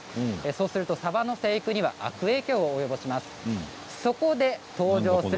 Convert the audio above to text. そうするとサバの生育には悪影響を及ぼします。